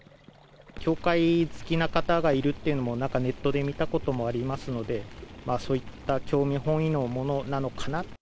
境界好きな方がいるっていうのも、なんかネットで見たこともありますので、そういった興味本位のものなのかな。